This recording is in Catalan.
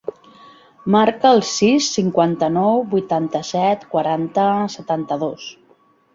Marca el sis, cinquanta-nou, vuitanta-set, quaranta, setanta-dos.